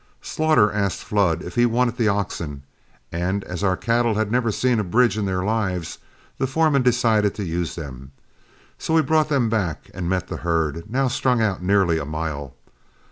Slaughter asked Flood if he wanted the oxen; and as our cattle had never seen a bridge in their lives, the foreman decided to use them; so we brought them back and met the herd, now strung out nearly a mile.